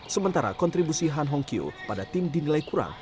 sementara kontribusi hang hong kyu pada tim dinilai kurang